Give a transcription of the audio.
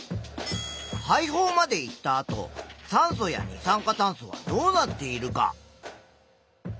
肺胞まで行ったあと酸素や二酸化炭素はどうなっているか？